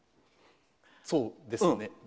そうですね。